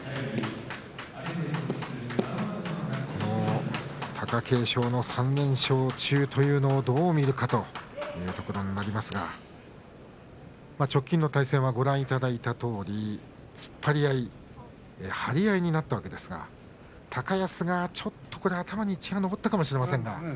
この貴景勝の３連勝中というのもどう見るかというところもありますが直近の対戦はご覧いただいたとおり突っ張り合い張り合いになったわけですが高安が、ちょっと頭に血が上ったかもしれませんが。